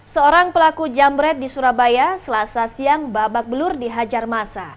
seorang pelaku jambret di surabaya selasa siang babak belur dihajar masa